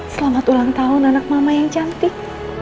selamat ulang tahun anak mama yang cantik